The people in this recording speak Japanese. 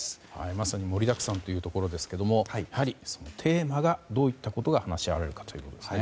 まさにもりだくさんというところですけれどもやはりテーマ、どういったことが話し合われるかですね。